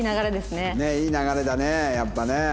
ねえいい流れだねやっぱね。